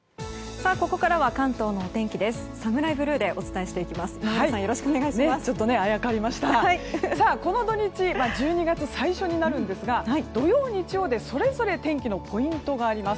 さあ、この土日１２月最初になるんですが土曜、日曜でそれぞれ天気のポイントがあります。